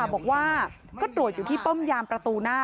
ช่องบ้านต้องช่วยแจ้งเจ้าหน้าที่เพราะว่าโดนฟันแผลเวิกวะค่ะ